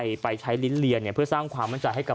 ไม่รู้จะ